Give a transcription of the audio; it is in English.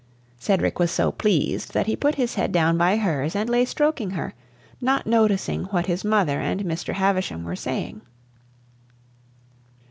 Cedric was so pleased that he put his head down by hers, and lay stroking her, not noticing what his mother and Mr. Havisham were saying.